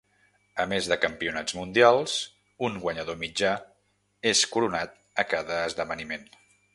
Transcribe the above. A més de campionats mundials, un guanyador mitjà es coronat a cada esdeveniment.